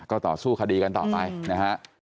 ก็ต่อสู้คดีกันต่อไปนะฮะ